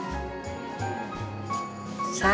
さあ。